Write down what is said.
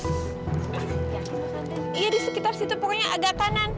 iya disekitar situ pokoknya agak kanan